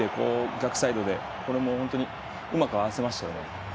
逆サイドでこれもうまく合わせましたよね。